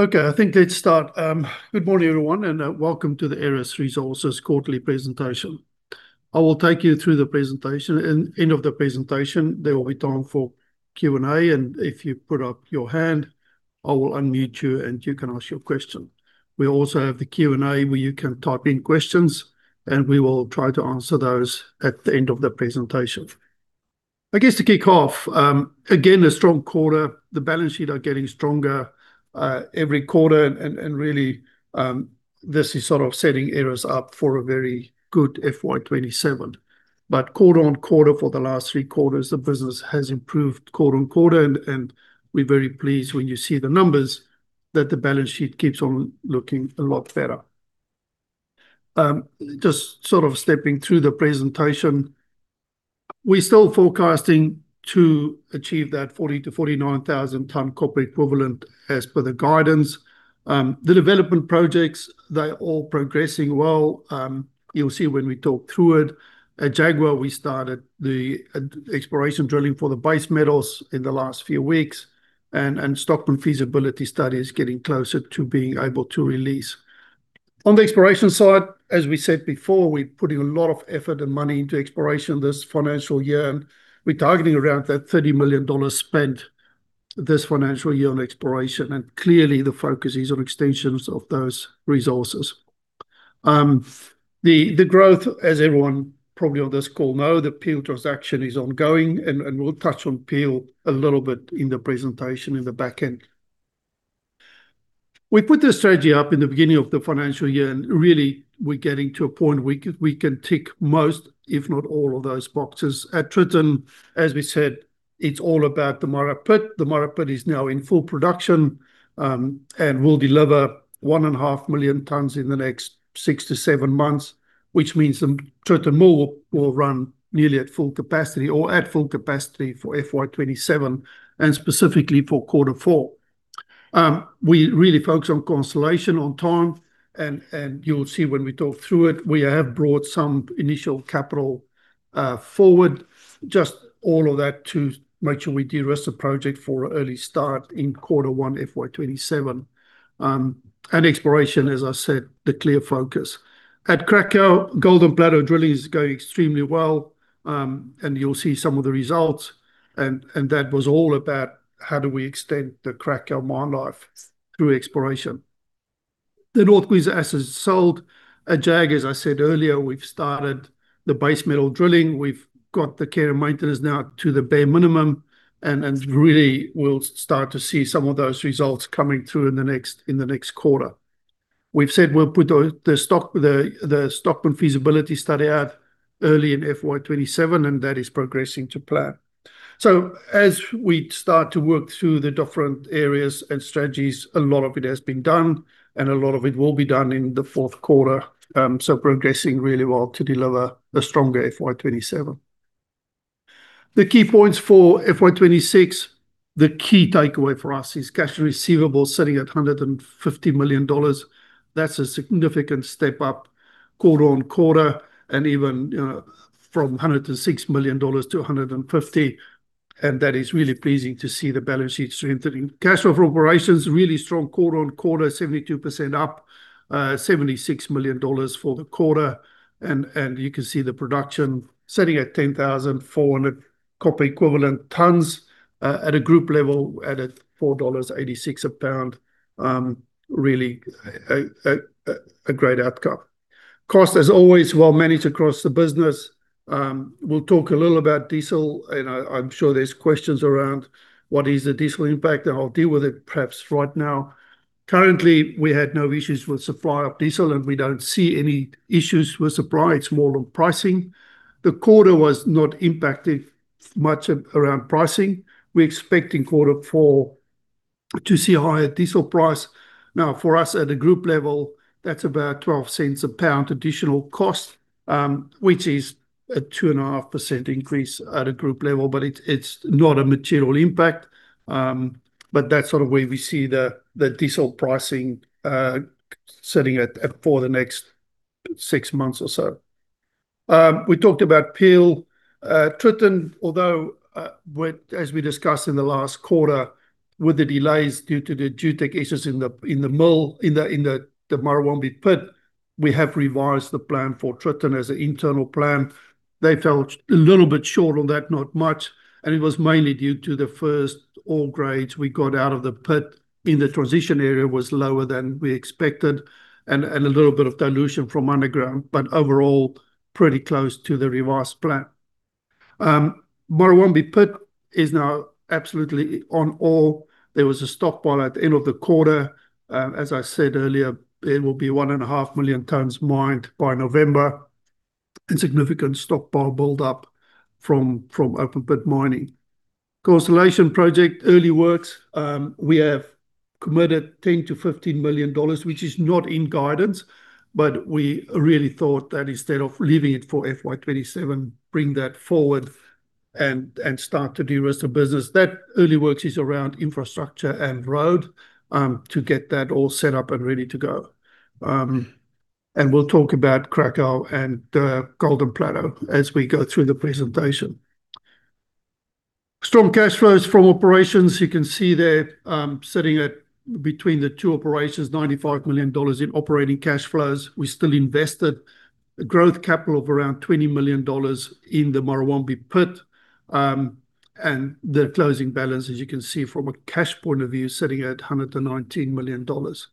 Okay, I think let's start. Good morning everyone, and welcome to the Aeris Resources quarterly presentation. I will take you through the presentation. In end of the presentation, there will be time for Q&A. If you put up your hand, I will unmute you and you can ask your question. We also have the Q&A where you can type in questions. We will try to answer those at the end of the presentation. I guess to kick off, again, a strong quarter. The balance sheet are getting stronger every quarter and, really, this is sort of setting Aeris up for a very good FY 2027. Quarter-on-quarter for the last three quarters, the business has improved quarter-on-quarter and we're very pleased when you see the numbers that the balance sheet keeps on looking a lot better. Just sort of stepping through the presentation. We're still forecasting to achieve that 40,000-49,000 tonnes copper equivalent as per the guidance. The development projects, they're all progressing well. You'll see when we talk through it. At Jaguar, we started the exploration drilling for the base metals in the last few weeks and Stockman feasibility study is getting closer to being able to release. On the exploration side, as we said before, we're putting a lot of effort and money into exploration this financial year and we're targeting around that 30 million dollars spent this financial year on exploration. Clearly the focus is on extensions of those resources. The growth, as everyone probably on this call know, the Peel transaction is ongoing and we'll touch on Peel a little bit in the presentation in the back end. We put this strategy up in the beginning of the financial year and really we're getting to a point we can tick most, if not all of those boxes. At Tritton, as we said, it's all about the Murrawombie Pit. The Murrawombie Pit is now in full production and will deliver 1.5 million tonnes in the next 6-7 months, which means Tritton more will run nearly at full capacity or at full capacity for FY 2027 and specifically for quarter four. We really focus on Constellation on time and you'll see when we talk through it, we have brought some initial capital forward, just all of that to make sure we de-risk the project for an early start in quarter one FY 2027. Exploration, as I said, the clear focus. At Cracow, Golden Plateau Drilling is going extremely well, and you'll see some of the results, and that was all about how do we extend the Cracow mine life through exploration. The North Queensland assets sold. As I said earlier, at Stockman, we've started the base metal drilling. We've got the care and maintenance now to the bare minimum, and really we'll start to see some of those results coming through in the next quarter. We've said we'll put the Stockman feasibility study out early in FY 2027, and that is progressing to plan. As we start to work through the different areas and strategies, a lot of it has been done, and a lot of it will be done in the fourth quarter. Progressing really well to deliver a stronger FY 2027. The key points for FY 2026. The key takeaway for us is cash receivables sitting at 150 million dollars. That is a significant step up quarter-on-quarter and even, you know, from 106 million-150 million dollars. That is really pleasing to see the balance sheet strengthening. Cash flow from operations, really strong quarter-on-quarter, 72% up. 76 million dollars for the quarter and you can see the production sitting at 10,400 copper equivalent tonnes at a group level at 4.86 dollars a pound. Really a great outcome. Cost, as always, well managed across the business. We'll talk a little about diesel and I'm sure there's questions around what is the diesel impact and I'll deal with it perhaps right now. Currently, we had no issues with supply of diesel. We don't see any issues with supply. It's more on pricing. The quarter was not impacted much around pricing. We're expecting quarter four to see a higher diesel price. For us at a group level, that's about 0.12 a pound additional cost, which is a 2.5% increase at a group level, but it's not a material impact. That's sort of where we see the diesel pricing sitting at for the next six months or so. We talked about Peel. Tritton, although, as we discussed in the last quarter, with the delays due to the geotech issues in the mill, in the Murrawombie Pit, we have revised the plan for Tritton as an internal plan. They fell a little bit short on that, not much, and it was mainly due to the first ore grades we got out of the pit in the transition area was lower than we expected and a little bit of dilution from underground, but overall, pretty close to the revised plan. Murrawombie Pit is now absolutely on ore. There was a stockpile at the end of the quarter. As I said earlier, there will be 1.5 million tonnes mined by November and significant stockpile build-up from open pit mining. Constellation Project early works. We have committed 10 million-15 million dollars, which is not in guidance, but we really thought that instead of leaving it for FY 2027, bring that forward and start to de-risk the business. That early works is around infrastructure and road to get that all set up and ready to go. We'll talk about Cracow and Golden Plateau as we go through the presentation. Strong cash flows from operations. You can see there, sitting at between the two operations, 95 million dollars in operating cash flows. We still invested a growth capital of around 20 million dollars in the Murrawombie Pit. The closing balance, as you can see from a cash point of view, sitting at 119 million dollars.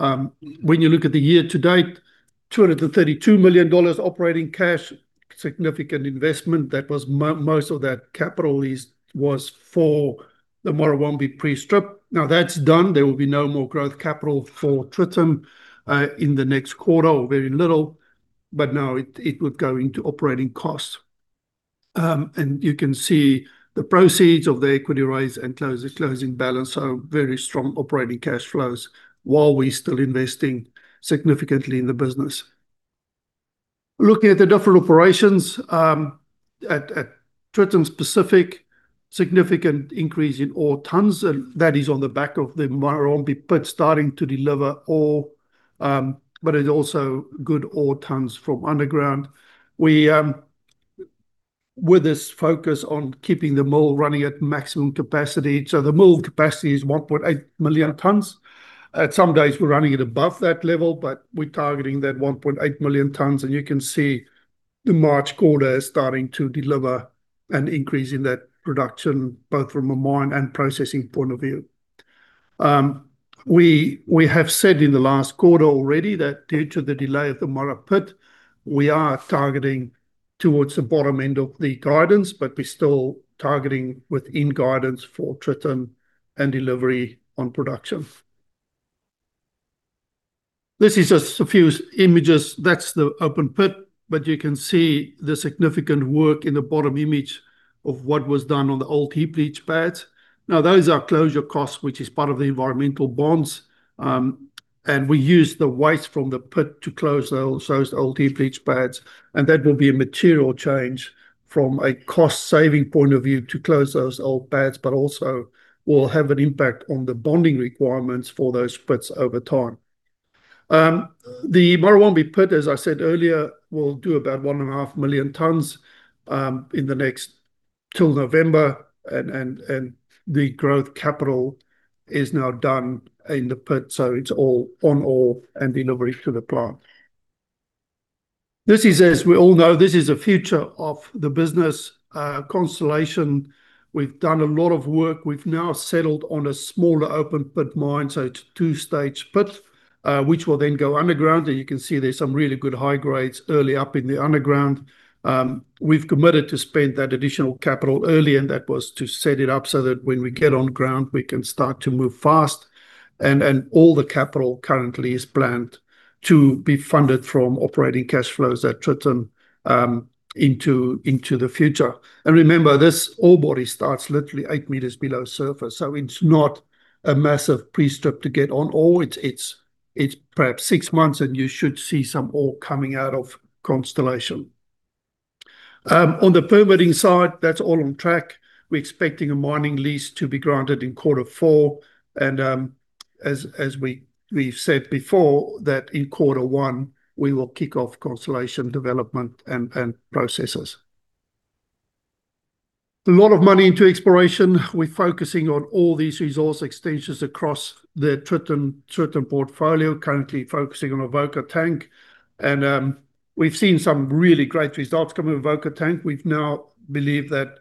When you look at the year to date, 232 million dollars operating cash. Significant investment. That was most of that capital was for the Murrawombie pre-strip. Now that's done. There will be no more growth capital for Tritton in the next quarter or very little. Now it would go into operating costs. You can see the proceeds of the equity raise and closing balance are very strong operating cash flows while we still investing significantly in the business. Looking at the different operations, at Tritton specific, significant increase in ore tonnes, and that is on the back of the Murrawombie Pit starting to deliver ore. It also good ore tonnes from underground. We, with this focus on keeping the mill running at maximum capacity. The mill capacity is 1.8 million tonnes. At some days we're running it above that level, but we're targeting that 1.1 million tonnes and you can see the March quarter is starting to deliver an increase in that production both from a mine and processing point of view. We have said in the last quarter already that due to the delay of the Murrawombie Pit, we are targeting towards the bottom end of the guidance, but we're still targeting within guidance for Tritton and delivery on production. This is just a few images. That's the open pit, but you can see the significant work in the bottom image of what was done on the old heap leach pads. Those are closure costs, which is part of the environmental bonds. We use the waste from the pit to close those old heap leach pads, and that will be a material change from a cost-saving point of view to close those old pads, but also will have an impact on the bonding requirements for those pits over time. The Murrawombie Pit, as I said earlier, will do about 1.5 million tonnes till November and the growth capital is now done in the pit, so it's all on ore and delivery to the plant. This is, as we all know, this is the future of the business, Constellation. We've done a lot of work. We've now settled on a smaller open pit mine, so it's two-stage pit, which will then go underground. You can see there's some really good high grades early up in the underground. We've committed to spend that additional capital early that was to set it up so that when we get on ground, we can start to move fast, all the capital currently is planned to be funded from operating cash flows at Tritton into the future. Remember, this ore body starts literally 8 m below surface, so it's not a massive pre-strip to get on ore. It's perhaps six months and you should see some ore coming out of Constellation. On the permitting side, that's all on track. We're expecting a mining lease to be granted in quarter four. As we've said before, that in quarter one we will kick off Constellation development and processes. A lot of money into exploration. We're focusing on all these resource extensions across the Tritton portfolio, currently focusing on Avoca Tank. We've seen some really great results coming with Avoca Tank. We've now believed that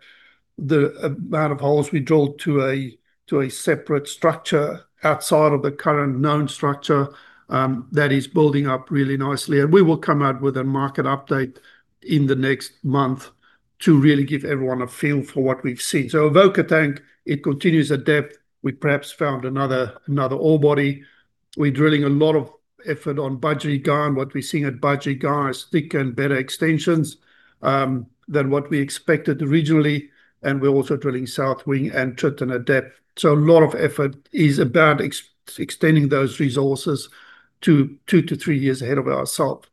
the amount of holes we drilled to a separate structure outside of the current known structure that is building up really nicely. We will come out with a market update in the next month to really give everyone a feel for what we've seen. Avoca Tank, it continues at depth. We perhaps found another ore body. We're drilling a lot of effort on Budgerygar. What we're seeing at Budgerygar is thicker and better extensions than what we expected originally. We're also drilling South Wing and Tritton at depth. A lot of effort is about extending those resources to two to three years ahead of ourself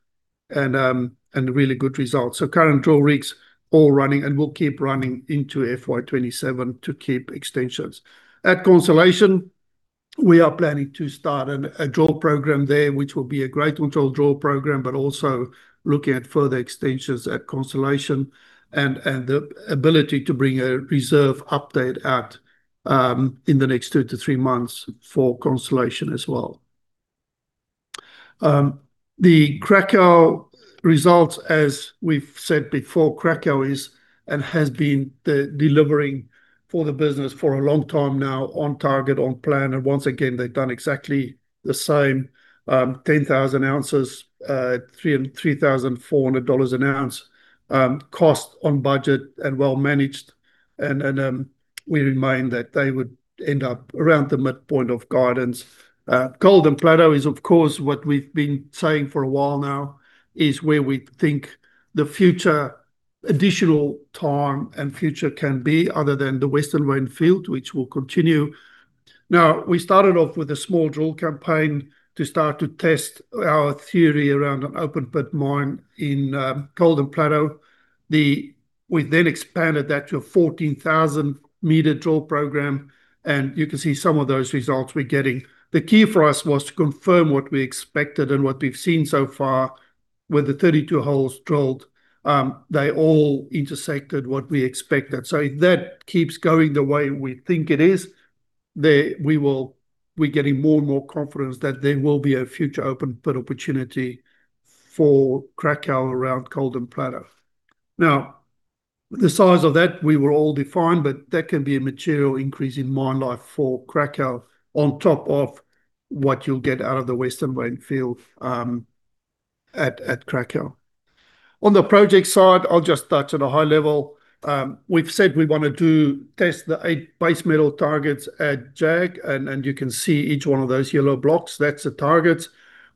and really good results. Current drill rigs all running and will keep running into FY 2027 to keep extensions. At Constellation, we are planning to start a drill program there, which will be a grade control drill program, but also looking at further extensions at Constellation and the ability to bring a reserve update out in the next two to three months for Constellation as well. The Cracow results, as we've said before, Cracow is and has been delivering for the business for a long time now on target, on plan, and once again, they've done exactly the same. 10,000 ounces at 3,400 dollars an ounce. Cost on budget and well managed and we remain that they would end up around the midpoint of guidance. Golden Plateau is of course, what we've been saying for a while now, is where we think the future additional time and future can be other than the Western Vein Field, which will continue. We started off with a small drill campaign to start to test our theory around an open pit mine in Golden Plateau. We then expanded that to a 14,000 m drill program, and you can see some of those results we're getting. The key for us was to confirm what we expected and what we've seen so far. With the 32 holes drilled, they all intersected what we expected. If that keeps going the way we think it is, we're getting more and more confidence that there will be a future open pit opportunity for Cracow around Golden Plateau. The size of that, we will all define, but that can be a material increase in mine life for Cracow on top of what you'll get out of the Western Vein Field at Cracow. On the project side, I'll just touch on a high level. We've said we want to test the eight base metal targets at Jag, and you can see each one of those yellow blocks. That's the targets.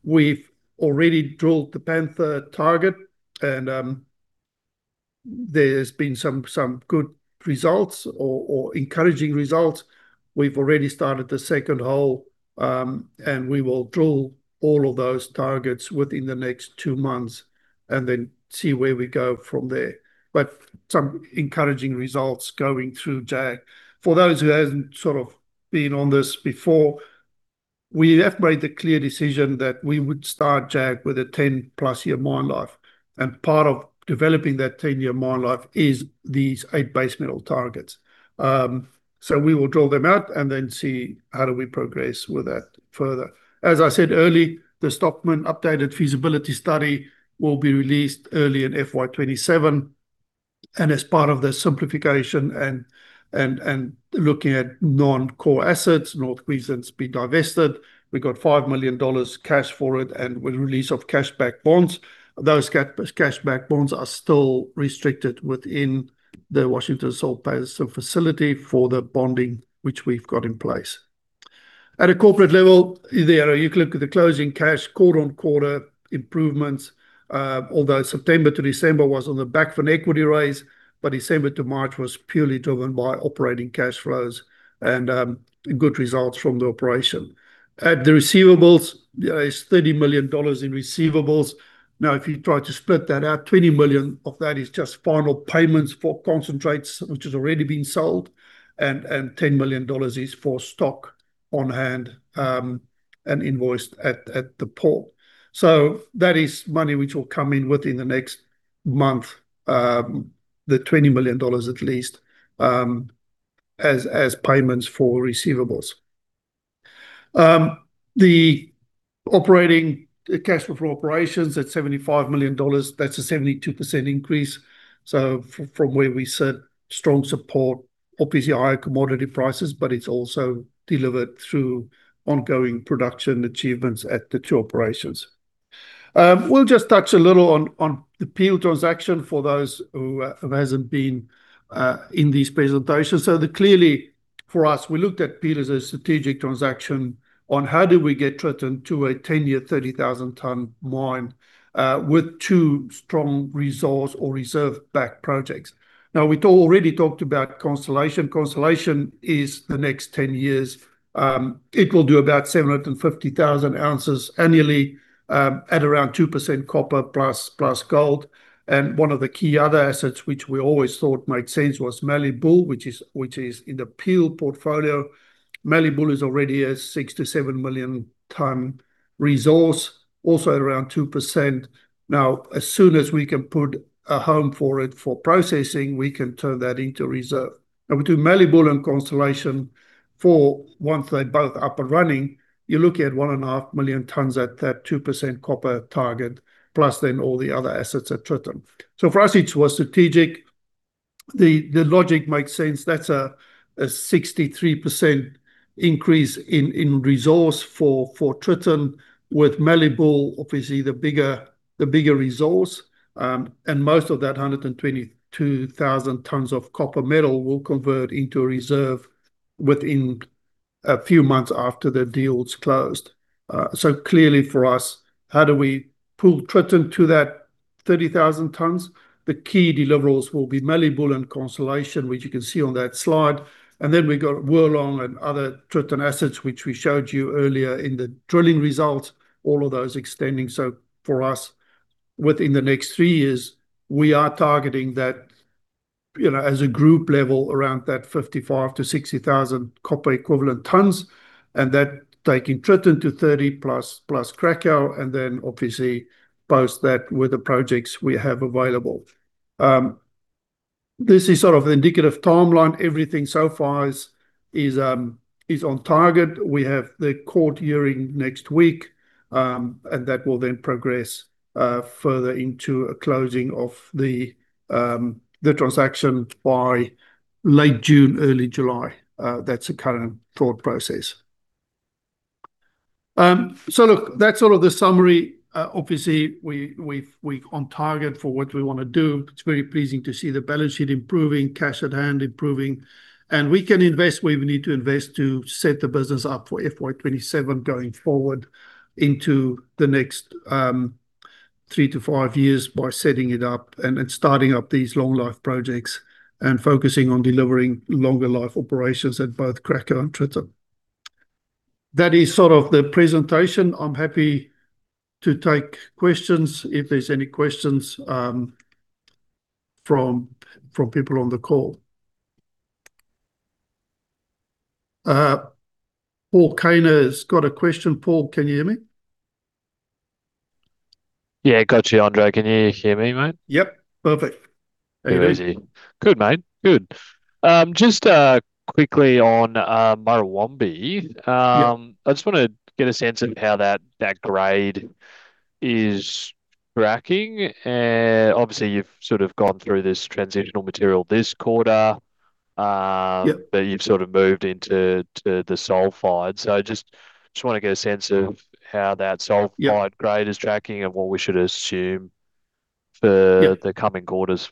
We've already drilled the Panther target, and there's been some good results or encouraging results. We've already started the second hole, we will drill all of those targets within the next two months and then see where we go from there. Some encouraging results going through Jag. For those who haven't been on this before, we have made the clear decision that we would start Jag with a 10-plus year mine life. Part of developing that 10-year mine life is these eight base metal targets. We will drill them out and then see how do we progress with that further. As I said earlier, the Stockman updated feasibility study will be released early in FY 2027. As part of the simplification and looking at non-core assets, North Queensland's been divested. We got 5 million dollars cash for it and with release of cash back bonds. Those cash back bonds are still restricted within the Washington Sale Leaseback Facility for the bonding which we've got in place. At a corporate level, there you look at the closing cash quarter-on-quarter improvements. Although September to December was on the back of an equity raise, December to March was purely driven by operating cash flows and good results from the operation. At the receivables, there is 30 million dollars in receivables. If you try to split that out, 20 million of that is just final payments for concentrates, which has already been sold, and 10 million dollars is for stock on hand and invoiced at the port. That is money which will come in within the next month, the 20 million dollars at least, as payments for receivables. The operating cash flow operations at 75 million dollars, that's a 72% increase. From where we sit, strong support, obviously higher commodity prices, but it's also delivered through ongoing production achievements at the two operations. We'll just touch a little on the Peel transaction for those who hasn't been in these presentations. Clearly for us, we looked at Peel as a strategic transaction on how do we get Tritton to a 10-year, 30,000 tonne mine with two strong resource or reserve-backed projects. Now, we'd already talked about Constellation. Constellation is the next 10 years. It will do about 750,000 ounces annually at around 2% copper plus gold. One of the key other assets which we always thought made sense was Mallee Bull, which is in the Peel portfolio. Mallee Bull is already a 6 million-7 million tonne resource, also around 2%. As soon as we can put a home for it for processing, we can turn that into reserve. Between Mallee Bull and Constellation, for once they're both up and running, you're looking at 1.5 million tonnes at that 2% copper target, plus all the other assets at Tritton. For us, it was strategic. The logic makes sense. That's a 63% increase in resource for Tritton with Mallee Bull, obviously the bigger resource. Most of that 122,000 tonnes of copper metal will convert into a reserve within a few months after the deal is closed. Clearly for us, how do we pull Tritton to that 30,000 tonnes? The key deliverables will be Mallee Bull and Constellation, which you can see on that slide. We got Wirlong and other Tritton assets, which we showed you earlier in the drilling results, all of those extending. For us, within the next three years, we are targeting that, you know, as a group level around that 55,000-60,000 copper equivalent tonnes, and that taking Tritton to 30 plus Cracow, and then obviously post that with the projects we have available. This is sort of the indicative timeline. Everything so far is on target. We have the court hearing next week, that will then progress further into a closing of the transaction by late June, early July. That's the current thought process. Look, that's all of the summary. Obviously, we're on target for what we wanna do. It's very pleasing to see the balance sheet improving, cash at hand improving. We can invest where we need to invest to set the business up for FY 2027 going forward into the next three to five years by setting it up and starting up these long life projects and focusing on delivering longer life operations at both Cracow and Tritton. That is sort of the presentation. I'm happy to take questions if there's any questions from people on the call. Paul Kaner's got a question. Paul, can you hear me? Yeah. Got you, André. Can you hear me, mate? Yep. Perfect. Very easy. Good, mate. Good. Just quickly on Murrawombie. Yeah. I just wanna get a sense of how that grade is tracking. Obviously you've sort of gone through this transitional material this quarter. Yeah But you've sort of moved into the sulfide. Just wanna get a sense of how that. Yeah Grade is tracking and what we should assume for. Yeah the coming quarters.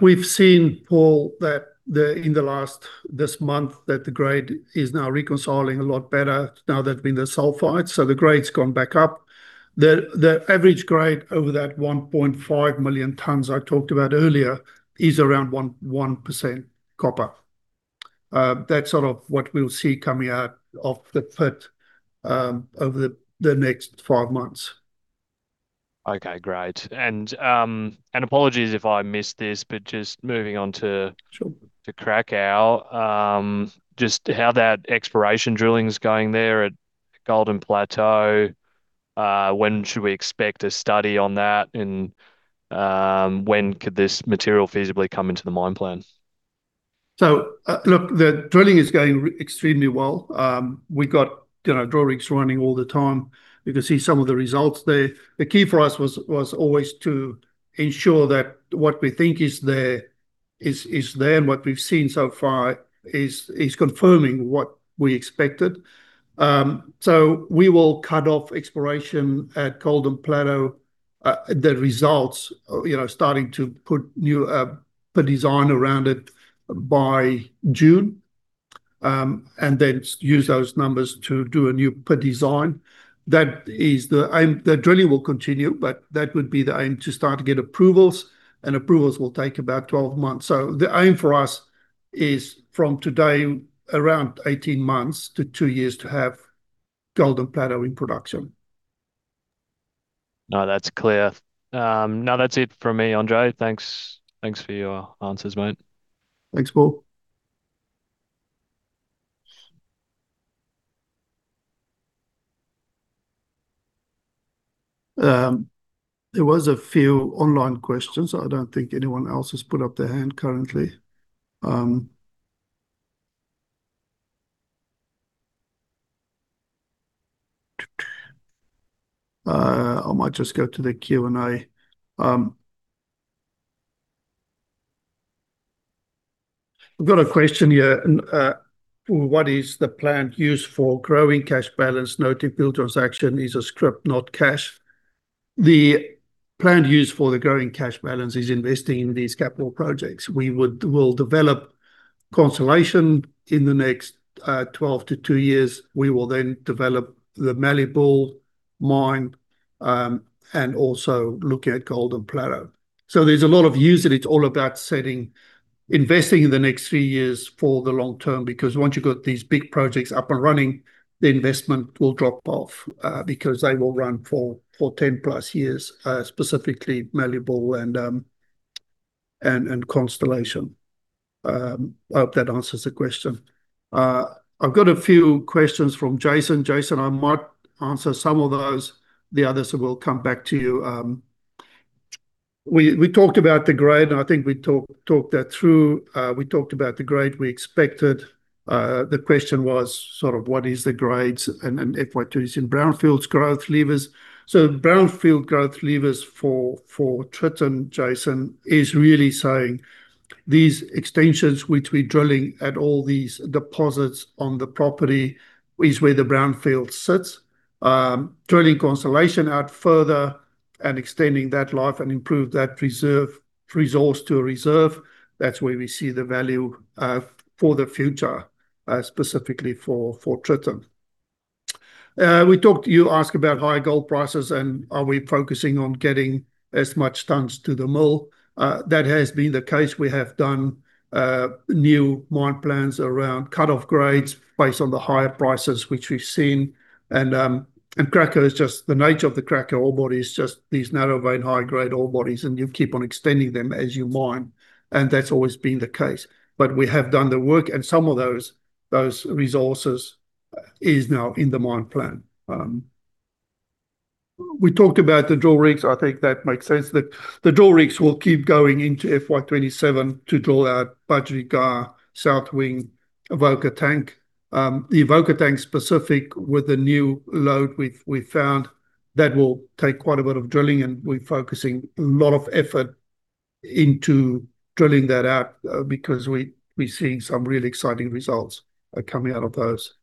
We've seen, Paul, that the, in the last, this month, that the grade is now reconciling a lot better now that we're in the sulfide. The grade's gone back up. The average grade over that 1.5 million tonnes I talked about earlier is around 1% copper. That's sort of what we'll see coming out of the pit over the next five months. Okay. Great. Apologies if I missed this. Sure. To Cracow. Just how that exploration drilling's going there at Golden Plateau, when should we expect a study on that and, when could this material feasibly come into the mine plan? Look, the drilling is going extremely well. We got, you know, drill rigs running all the time. You can see some of the results there. The key for us was always to ensure that what we think is there, is there, and what we've seen so far is confirming what we expected. We will cut off exploration at Golden Plateau. The results, you know, starting to put new pit design around it by June. Then use those numbers to do a new pit design. That is the aim. The drilling will continue, but that would be the aim, to start to get approvals. Approvals will take about 12 months. The aim for us is from today, around 18 months to two years to have Golden Plateau in production. That's clear. That's it from me, André. Thanks for your answers, mate. Thanks, Paul. There was a few online questions. I don't think anyone else has put up their hand currently. I might just go to the Q&A. I've got a question here. What is the planned use for growing cash balance? Note, Peel transaction is a script, not cash. The planned use for the growing cash balance is investing in these capital projects. We will develop Constellation in the next 12 months to two years. We will then develop the Mallee Bull mine and also look at Golden Plateau. There's a lot of use and it's all about setting, investing in the next three years for the long term because once you've got these big projects up and running, the investment will drop off because they will run for 10+ years, specifically Mallee Bull and Constellation. I hope that answers the question. I've got a few questions from Jason. Jason, I might answer some of those. The others, I will come back to you. We talked about the grade, and I think we talked that through. We talked about the grade we expected. The question was sort of what is the grades and FY 2026 in brownfield growth levers. Brownfield growth levers for Tritton, Jason, is really saying these extensions which we're drilling at all these deposits on the property is where the brownfield sits. Drilling Constellation out further and extending that life and improve that reserve, resource to a reserve, that's where we see the value for the future, specifically for Tritton. We talked, you asked about high gold prices and are we focusing on getting as much tonnes to the mill. That has been the case. We have done new mine plans around cutoff grades based on the higher prices which we've seen. Cracow is just, the nature of the Cracow ore body is just these narrow vein high grade ore bodies and you keep on extending them as you mine, and that's always been the case. We have done the work and some of those resources is now in the mine plan. We talked about the drill rigs. I think that makes sense. The drill rigs will keep going into FY 2027 to drill out Budgerygar, South Wing, Avoca Tank. The Avoca Tank specific with the new load we found, that will take quite a bit of drilling and we're focusing a lot of effort into drilling that out, because we're seeing some really exciting results coming out of those.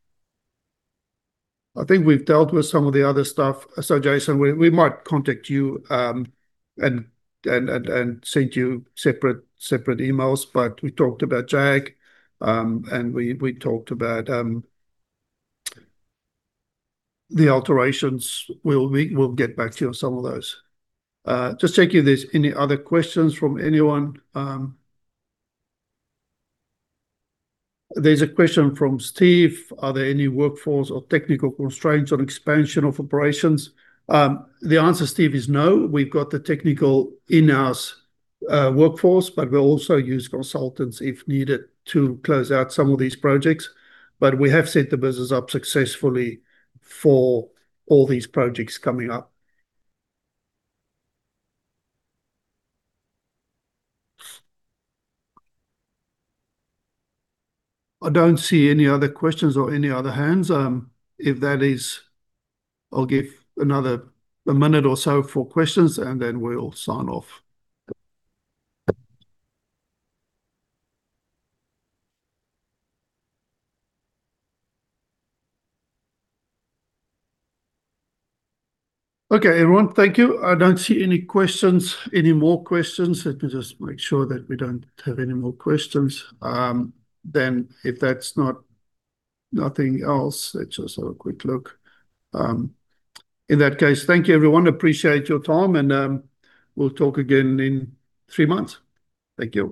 I think we've dealt with some of the other stuff. Jason, we might contact you and send you separate emails. We talked about Jag and we talked about the alterations. We'll get back to you on some of those. Just checking if there's any other questions from anyone. There's a question from Steve. Are there any workforce or technical constraints on expansion of operations? The answer, Steve, is no. We've got the technical in-house workforce, we'll also use consultants if needed to close out some of these projects. We have set the business up successfully for all these projects coming up. I don't see any other questions or any other hands. I'll give another minute or so for questions and then we'll sign off. Everyone. Thank you. I don't see any questions, any more questions. Let me just make sure that we don't have any more questions. Nothing else, let's just have a quick look. In that case, thank you everyone. Appreciate your time, we'll talk again in three months. Thank you.